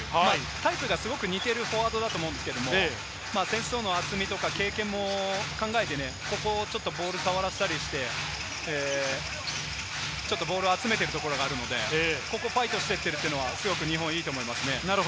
タイプがすごく似ているフォワードだと思うんですけれども、選手層の厚みとか、経験も考えてね、ここはボール触らせたりして、ボールを集めているところがあるので、ここファイトしていっているというのは日本いいと思いますね。